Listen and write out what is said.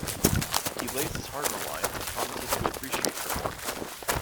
He lays his heart on the line and promises to appreciate her more.